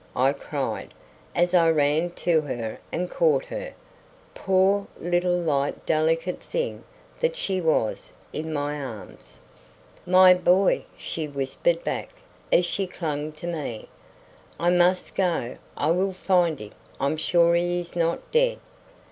I cried, as I ran to her and caught her poor, little, light, delicate thing that she was in my arms. "My boy!" she whispered back, as she clung to me. "I must go. I will find him. I'm sure he is not dead."